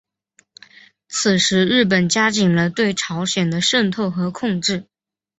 此时日本加紧了对朝鲜的渗透和控制。